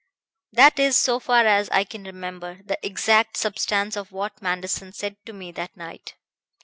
"That is, so far as I can remember, the exact substance of what Manderson said to me that night.